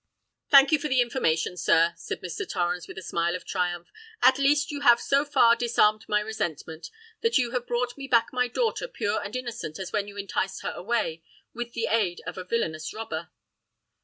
"Thank you for the information, sir," said Mr. Torrens, with a smile of triumph. "At least you have so far disarmed my resentment, that you have brought me back my daughter pure and innocent as when you enticed her away, with the aid of a villanous robber."